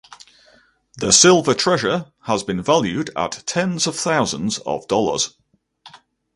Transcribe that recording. The silver treasure has been valued at tens of thousands of dollars.